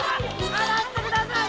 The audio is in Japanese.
離してください！